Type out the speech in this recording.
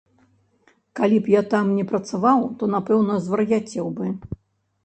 Калі б я там не працаваў, то, напэўна, звар'яцеў бы.